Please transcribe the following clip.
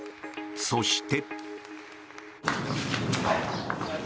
そして。